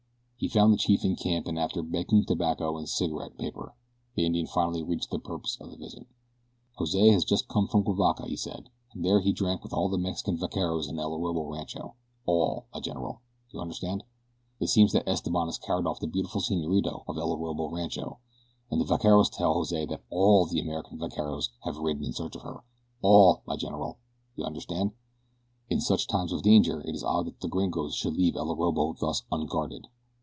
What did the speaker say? He found the chief in camp and after begging tobacco and a cigarette paper the Indian finally reached the purpose of his visit. "Jose has just come from Cuivaca," he said, "and there he drank with all the Mexican vaqueros of El Orobo Rancho ALL, my general, you understand. It seems that Esteban has carried off the beautiful senorita of El Orobo Rancho, and the vaqueros tell Jose that ALL the American vaqueros have ridden in search of her ALL, my general, you understand. In such times of danger it is odd that the gringos should leave El Orobo thus unguarded.